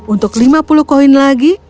untuk lima puluh koin lagi